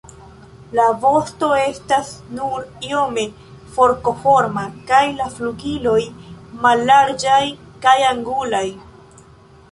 La vosto estas nur iome forkoforma kaj la flugiloj mallarĝaj kaj angulaj.